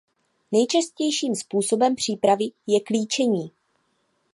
Nejčastějším způsobem přípravy je klíčení.